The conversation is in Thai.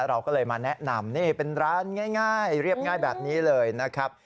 เราก็เลยมาแนะนำนี่เป็นร้านง่ายเรียบง่ายแบบนี้เลยนะครับ